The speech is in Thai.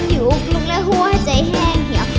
อยู่ลุงและหัวใจแห้งเหี่ยว